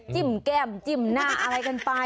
แก้มจิ้มหน้าอะไรกันไป